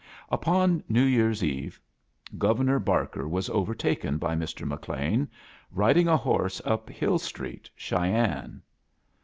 Upon New Year's Eve Governor Bar ker was overtaken by Mr. McLean riding a horse up Hill Street, Cheyenne.